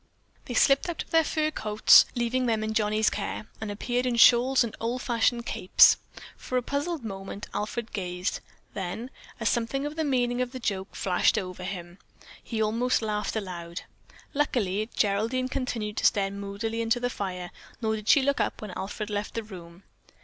They slipped out of their fur coats, leaving them in Johnnie's care, and appeared in shawls and old fashioned capes. For a puzzled moment Alfred gazed; then, as something of the meaning of the joke flashed over him, he almost laughed aloud. Luckily Geraldine continued to stare moodily into the fire, nor did she look up when Alfred left the room.